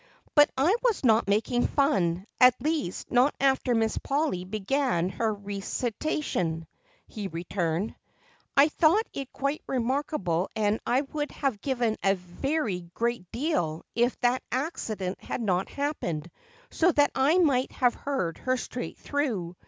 "But I was not making fun, at least not after Miss Polly began her recitation," he returned. "I thought it quite remarkable and I would have given a very great deal if that accident had not happened so that I might have heard her straight through.